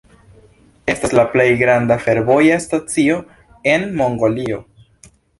Estas la plej granda fervoja stacio en Mongolio.